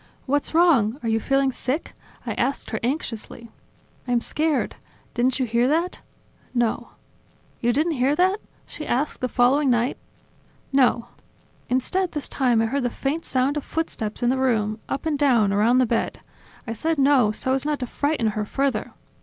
"What's wrong? Are you feeling sick?" I asked her anxiously. "I'm scared... Didn't you hear that?". "No." "You didn't hear that?..." she asked the following night. "No." Instead this time I heard the faint sound of footsteps in the room, up and down, around the bed; I said no so as not to frighten her further.